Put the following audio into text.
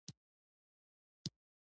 د روسي او کميونسټو قوتونو زور ظلم